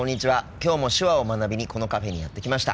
きょうも手話を学びにこのカフェにやって来ました。